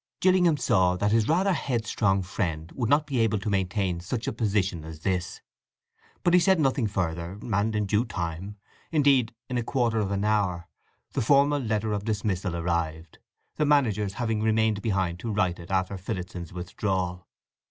Gillingham saw that his rather headstrong friend would not be able to maintain such a position as this; but he said nothing further, and in due time—indeed, in a quarter of an hour—the formal letter of dismissal arrived, the managers having remained behind to write it after Phillotson's withdrawal.